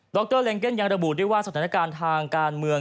รเล็งเก็นยังระบุด้วยว่าสถานการณ์ทางการเมือง